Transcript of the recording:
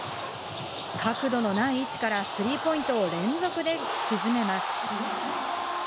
角度のない位置からスリーポイントを連続で沈めます。